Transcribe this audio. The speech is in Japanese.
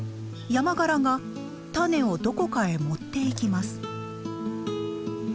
ヤマガラが種をどこかへ持っていきます。